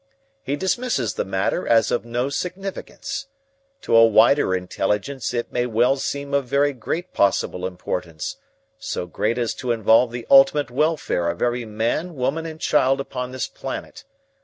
He dismisses the matter as of no significance. To a wider intelligence it may well seem of very great possible importance so great as to involve the ultimate welfare of every man, woman, and child upon this planet.